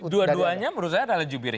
dua duanya menurut saya adalah jubir